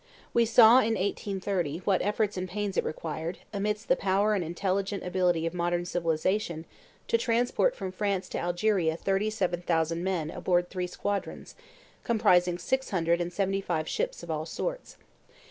We saw in 1830 what efforts and pains it required, amidst the power and intelligent ability of modern civilization, to transport from France to Algeria thirty seven thousand men aboard three squadrons, comprising six hundred and seventy five ships of all sorts.